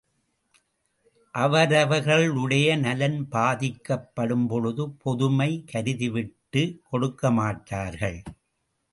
அவரவர்களுடைய நலன் பாதிக்கப்படும்பொழுது பொதுமை கருதி விட்டுக் கொடுக்க மாட்டார்கள்!